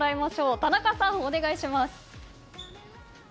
田中さん、お願いします。